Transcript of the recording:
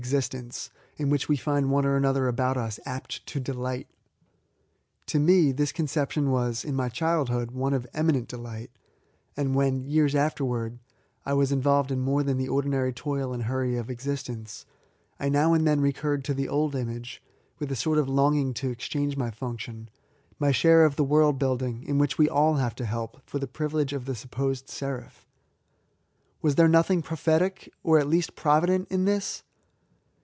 65 ^ existence, in which we find one or another about lis apt to delight ! To me^ this conception was^ in my childhood^ one of eminent delight; and when^ years ajfterwards^ I was involyed in more than the ordinary toil and hurry of existence, I now and then recurred to the old image, with a sort of longing to exchange my function,— *my share of the world building in which we all have to help, for the privilege of the supposed seraph. Was there nothing prophetic, or at least provident, in this